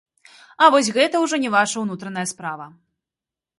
А вось гэта ўжо не ваша ўнутраная справа.